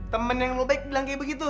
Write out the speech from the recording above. temen yang lo baik bilang kayak begitu